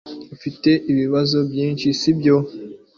Ufite ibibazo byinshi sibyo